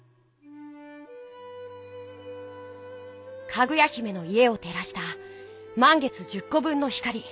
かぐや姫の家をてらしたまん月１０こ分の光。